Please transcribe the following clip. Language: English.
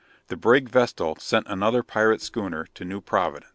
The brig Vestal sent another pirate schooner to New Providence.